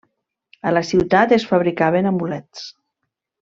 A la ciutat es fabricaven amulets.